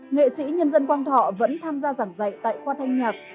nghệ sĩ nhân dân quang thọ vẫn tham gia giảng dạy tại khoa thanh nhạc